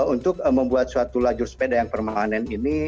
untuk membuat suatu lajur sepeda yang permanen ini